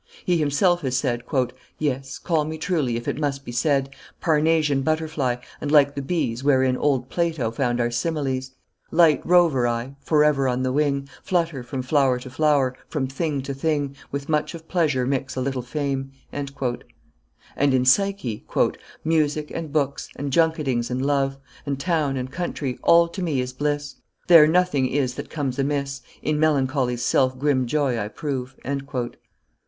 He himself has said, "Yes, call me truly, if it must be said, Parnassian butterfly, and like the bees Wherein old Plato found our similes. Light rover I, forever on the wing, Flutter from flower to flower, from thing to thing, With much of pleasure mix a little fame." And in Psyche: "Music and books, and junketings and love, And town and country all to me is bliss; There nothing is that comes amiss; In melancholy's self grim joy I prove."